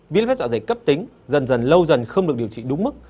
viêm ga dạ dày cấp tính dần dần lâu dần không được điều trị đúng mức